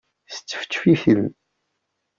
Sčefčef-iten.